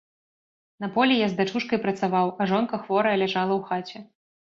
На полі я з дачушкай працаваў, а жонка хворая ляжала ў хаце.